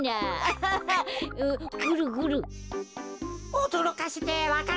おどろかせてわか蘭